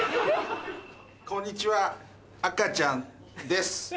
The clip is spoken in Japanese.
こんにちは赤ちゃんです。